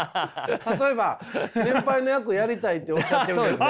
例えば年配の役やりたいっておっしゃってるんですね。